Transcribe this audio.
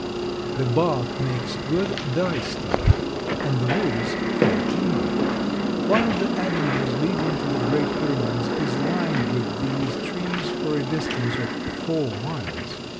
The bark makes good dye stuff and the wood is fair timber. One of the avenues leading to the great Pyramids is lined with these trees for a distance of four miles.